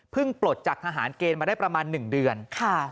ปลดจากทหารเกณฑ์มาได้ประมาณ๑เดือน